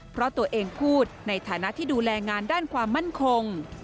เพราะตัวเองพูดในฐานะที่ดูแลงานด้านความมั่นคง